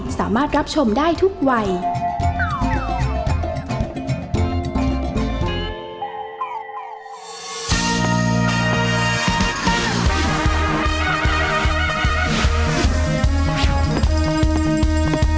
แม่บ้านประจันบาน